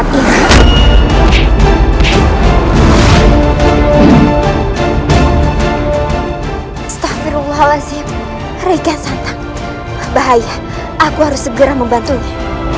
tunggu di sana